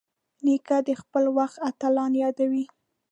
نیکه د خپل وخت اتلان یادوي.